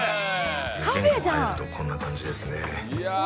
玄関を入るとこんな感じですね。